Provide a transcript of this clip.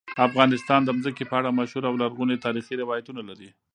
افغانستان د ځمکه په اړه مشهور او لرغوني تاریخی روایتونه لري.